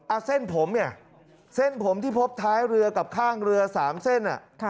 เส้นผมเนี่ยเส้นผมที่พบท้ายเรือกับข้างเรือสามเส้นอ่ะ